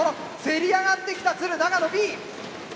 せり上がってきた鶴長野Ｂ。